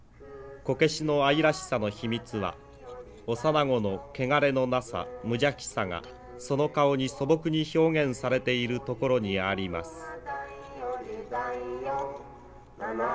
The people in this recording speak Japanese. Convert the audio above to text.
こけしの愛らしさの秘密は幼子の汚れのなさ無邪気さがその顔に素朴に表現されているところにあります。